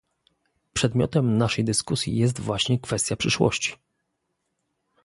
Przedmiotem naszej dyskusji jest właśnie kwestia przyszłości